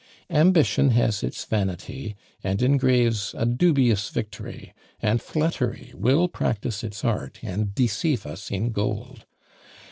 Ambition has its vanity, and engraves a dubious victory; and Flattery will practise its art, and deceive us in gold!